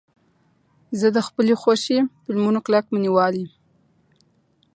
زه د خپلو خوښې فلمونو کلک مینهوال یم.